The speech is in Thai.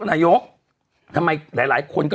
เราก็มีความหวังอะ